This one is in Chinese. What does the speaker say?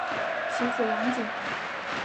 其子王景。